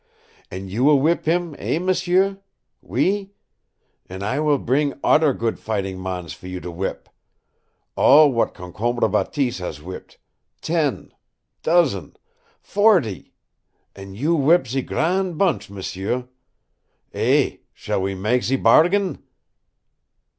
An' you will w'ip heem, eh, m'sieu? Oui? An' I will breeng odder good fightin' mans for you to w'ip all w'at Concombre Bateese has w'ipped ten, dozen, forty an' you w'ip se gran' bunch, m'sieu. Eh, shall we mak' ze bargain?"